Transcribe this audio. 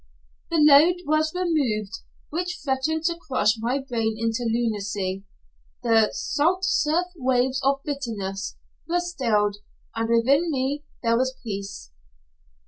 The load was removed which threatened to crush my brain into lunacy, the "salt surf waves of bitterness" were stilled, and within me there was peace.